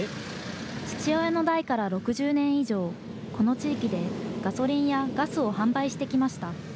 父親の代から６０年以上、この地域でガソリンやガスを販売してきました。